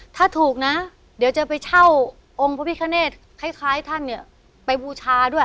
ถ้าถูกนะเดี๋ยวจะไปเช่าองค์พระพิคเนตคล้ายท่านเนี่ยไปบูชาด้วย